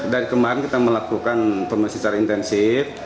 dari kemarin kita melakukan pemelisahan intensif